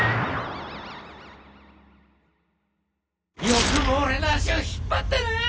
よくも俺の足を引っ張ったな！